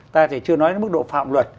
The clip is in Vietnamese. ta thì chưa nói đến mức độ phạm luật